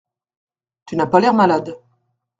Tu n’as pas l’air malade.